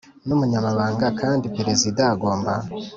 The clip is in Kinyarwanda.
n Umunyamabanga kandi Perezida agomba